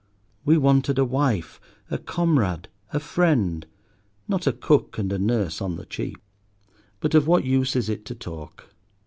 We wanted a wife, a comrade, a friend; not a cook and a nurse on the cheap. But of what use is it to talk?